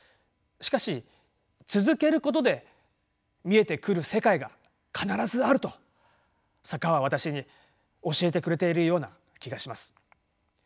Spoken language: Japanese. しかし続けることで見えてくる世界が必ずあると坂は私に教えてくれているような気がします。